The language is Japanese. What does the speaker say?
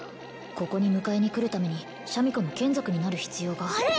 ここに迎えに来るためにシャミ子の眷属になる必要があれ？